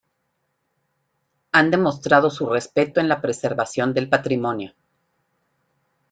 han demostrado su respeto en la preservación del patrimonio